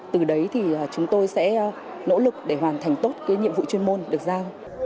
từ đấy thì chúng tôi sẽ nỗ lực để hoàn thành tốt nhiệm vụ chuyên môn được giao